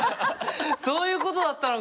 そういうことだったのか！